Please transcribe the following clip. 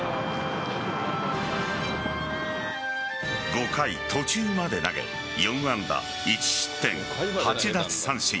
５回途中まで投げ４安打１失点８奪三振。